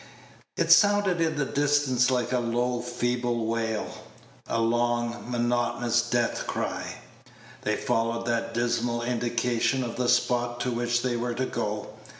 It sounded in the distance like a low, feeble wail a long, monotonous death cry. They followed that dismal indication of the spot to which they were to go.